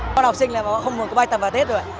con học sinh là không muốn có bài tập vào tết rồi ạ